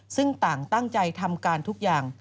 ซึ่งต่างตั้งใจทำการทุกอย่าง